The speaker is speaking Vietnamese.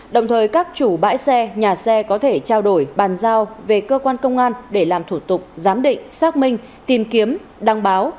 đồng thời các chủ bãi xe nhà xe có thể trao đổi bàn giao về cơ quan công an để làm thủ tục giám định xác minh tìm kiếm đăng báo